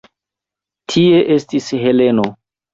Tie estis Heleno.